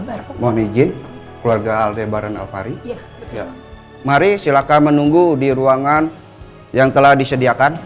berpomong izin keluarga aldebaran alvari mari silakan menunggu di ruangan yang telah disediakan